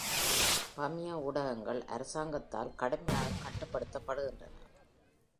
பர்மிய ஊடகங்கள் அரசாங்கத்தால் கடுமையாக கட்டுப்படுத்தப்படுகின்றன.